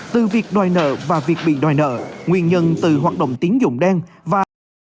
từ việc đòi nợ và việc bị đòi nợ nguyên nhân từ hoạt động tiến dụng đen và